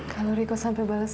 kalau riko sampai balas